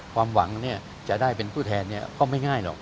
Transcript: ความหวังเนี่ยจะได้เป็นผู้แทนเนี่ยก็ไม่ง่ายหรอก